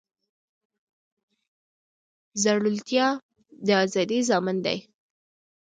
زړورتیا د ازادۍ ضامن دی.